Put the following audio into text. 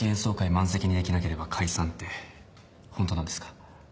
満席にできなければ解散ってホントなんですか？